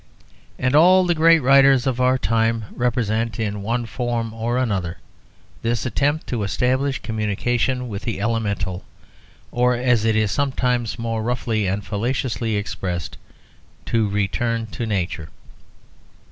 And all the great writers of our time represent in one form or another this attempt to reestablish communication with the elemental, or, as it is sometimes more roughly and fallaciously expressed, to return to nature.